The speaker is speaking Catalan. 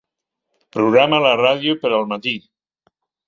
Programa la ràdio per al matí.